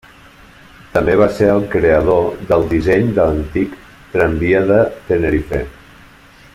També va ser el creador del disseny de l'antic tramvia de Tenerife.